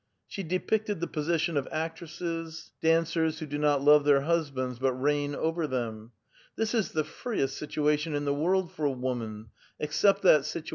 She depicted the position of actresses, dancers, who do not love their " husbands" but reign over them: ''This is the freest situation in the world for a woman, except tli«ut «a1w^ 40 A VITAL QUESTION.